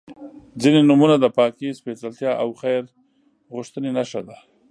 • ځینې نومونه د پاکۍ، سپېڅلتیا او خیر غوښتنې نښه ده.